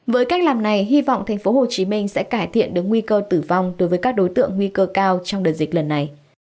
với cách làm này hy vọng tp hcm sẽ cải thiện được nguy cơ tử vong đối với các đối tượng nguy cơ cao trong đợt dịch lần này